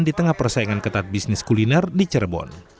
di tengah persaingan ketat bisnis kuliner di cirebon